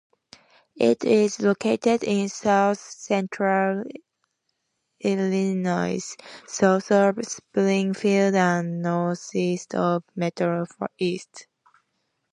It is located in south central Illinois, south of Springfield and northeast of Metro-East.